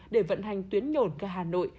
để vận hành tuyến nhổn ca hà nội